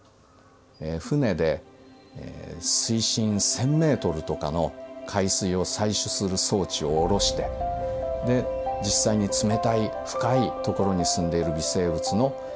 船で水深１，０００メートルとかの海水を採取する装置を降ろしてで実際に冷たい深い所に住んでいる微生物の分析をしているんですね。